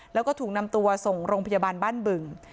แล้วก็ถูกนำตัวส่งโรงพยาบาลบ้านบึง